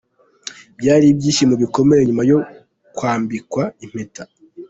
Byari ibyishimo bikomeye nyuma yo kwambikwa impeta .